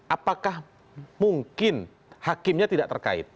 apakah mungkin hakimnya tidak terkait